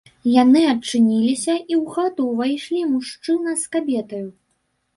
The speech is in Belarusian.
Яны адчыніліся, і ў хату ўвайшлі мужчына з кабетаю.